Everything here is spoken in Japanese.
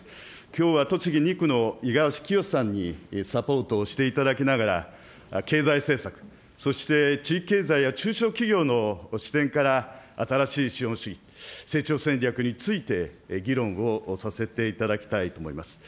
きょうは栃木２区の五十嵐清さんにサポートしていただきながら、経済政策、そして地域経済や中小企業の視点から、新しい資本主義、成長戦略について議論をさせていただきたいと思います。